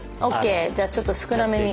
じゃあちょっと少なめに。